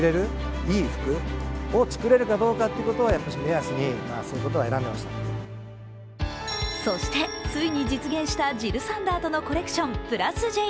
当時を振り返るとついに実現したジル・サンダーとのコレクション、＋Ｊ。